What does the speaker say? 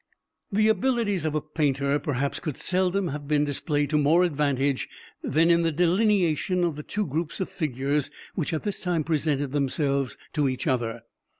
The abilities of a painter, perhaps, could seldom have been displayed to more advantage than in the delineation of the two groups of figures which at this time presented themselves to each other.